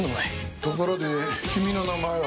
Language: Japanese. ところで君の名前は？